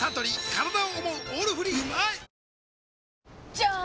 じゃーん！